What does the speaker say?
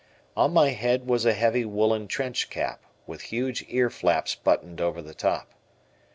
On my head was a heavy woolen trench cap, with huge ear flaps buttoned over the top.